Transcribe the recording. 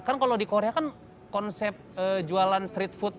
kan kalau di korea kan konsep jualan street food